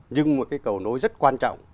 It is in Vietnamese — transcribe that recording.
nhưng một cái cầu nối rất quan trọng